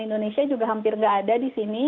indonesia juga hampir nggak ada di sini